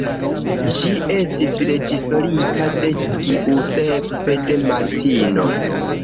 Ĝi estis reĝisorita de Giuseppe De Martino.